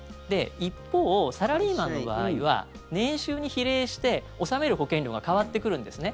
一方、サラリーマンの場合は年収に比例して納める保険料が変わってくるんですね。